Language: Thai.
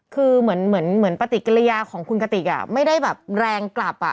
คือเหมือนประติกรรยาของคุณกะติกอ่ะไม่ได้แบบแรงกลับอ่ะ